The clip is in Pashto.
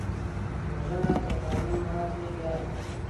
وژنه د قانون ماتې ده